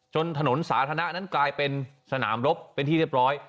ถนนสาธารณะนั้นกลายเป็นสนามรบเป็นที่เรียบร้อย